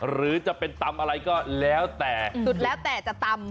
หรือจะเป็นตำอะไรก็แล้วแต่สุดแล้วแต่จะตำ